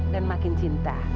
dan makin cinta